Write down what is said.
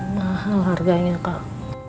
mahal harganya kak